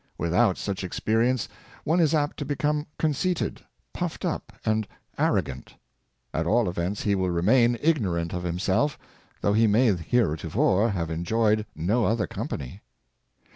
Without such experience, one is apt to become conceited, puffed up, and arrogant; at all events, he will remain ignorant of himself, though he may heretofore have enjoyed no other company.